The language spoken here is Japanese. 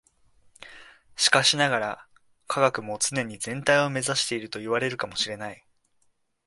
しかしながら、科学も常に全体を目指しているといわれるかも知れない。